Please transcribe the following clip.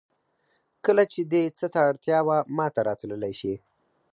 کله چې دې څه ته اړتیا وه ماته راتللی شې